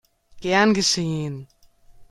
Gern geschehen!